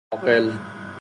عاقل